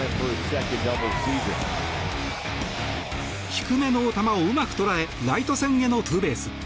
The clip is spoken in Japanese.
低めの球をうまく捉えライト線へのツーベース。